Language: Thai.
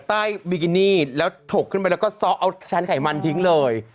บิกินี่แล้วถกขึ้นไปแล้วก็ซ้อเอาชั้นไขมันทิ้งเลย